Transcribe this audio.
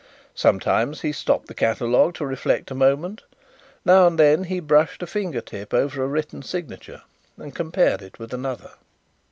Sometimes he stopped the catalogue to reflect a moment; now and then he brushed a finger tip over a written signature and compared it with another.